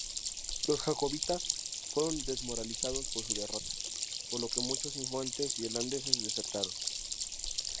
Los jacobitas fueron desmoralizados por su derrota, por lo que muchos infantes irlandeses desertaron.